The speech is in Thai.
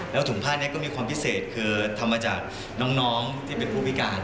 แล้วถุงผ้านี้ก็มีความพิเศษคือทำมาจากน้องที่เป็นผู้พิการ